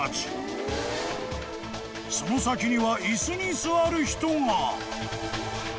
［その先には椅子に座る人が］